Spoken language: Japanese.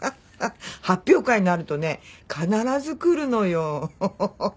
発表会があるとね必ず来るのよ。